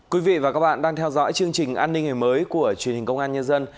quý vị và các bạn đang theo dõi chương trình an ninh ngày mới của truyền hình công an nhân dân